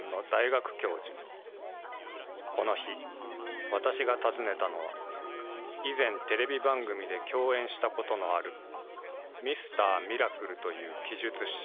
この日、私が訪ねたのは、以前テレビ番組で共演したことのあるミスター・ミラクルという奇術師。